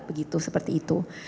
begitu seperti itu